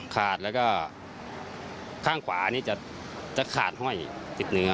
ขาดแล้วก็ข้างขวานี่จะขาดห้อยติดเนื้อ